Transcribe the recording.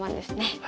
はい。